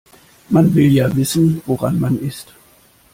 Man will ja wissen woran man ist.